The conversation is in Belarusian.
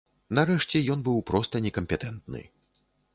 Нарэшце, ён быў проста некампетэнтны.